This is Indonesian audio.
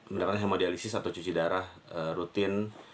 mendapatkan hemodialisis atau cuci darah rutin